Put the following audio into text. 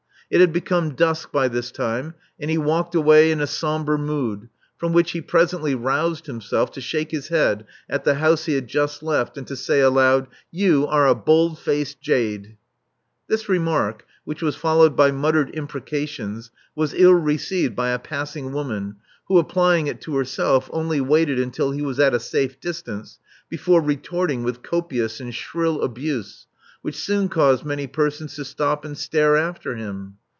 It had become dusk by this time; and he walked away in a sombre mood, from which he presently roused himself to shake his head at the house he had just left, and to say aloud, You are a bold faced jade. '' This remark, which was followed by muttered impre cations, was ill received by a passing woman who, applying it to herself, only waited until he was at a safe distance before retorting with copious and shrill abuse, which soon caused many persons to stop and stare after him.